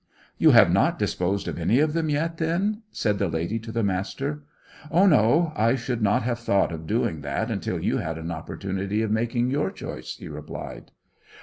"You have not disposed of any of them yet, then?" said the lady to the Master. "Oh, no; I should not have thought of doing that until you had an opportunity of making your choice," he replied.